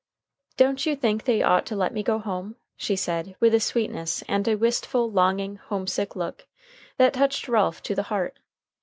"Don't you think they ought to let me go home?" she said with a sweetness and a wistful, longing, home sick look, that touched Ralph to the heart.